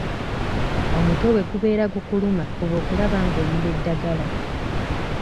Omutwe bwe gubeera gukuluma fuba okulaba nga omira eddagala.